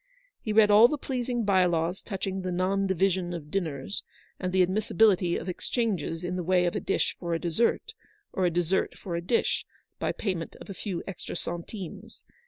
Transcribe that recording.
He read all the pleasing by laws touching the non division of dinners, and the admissibility of exchanges in the way of a dish for a dessert, or a dessert for a dish, by payment of a few extra centimes.